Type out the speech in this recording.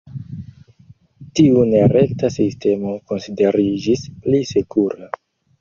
Tiu nerekta sistemo konsideriĝis "pli sekura".